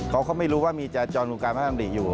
เขาไม่รู้ว่ามีจาจรโครงการพระราชนำดิกอยู่